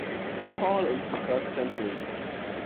Paul into the first century.